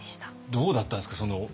どうだったんですか？